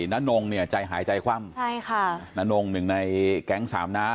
นานนงเนี่ยใจหายใจคว่ำใช่ค่ะน้านงหนึ่งในแก๊งสามน้า